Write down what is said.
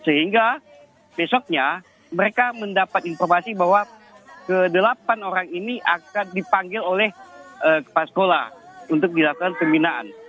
sehingga besoknya mereka mendapat informasi bahwa kedelapan orang ini akan dipanggil oleh kepala sekolah untuk dilakukan pembinaan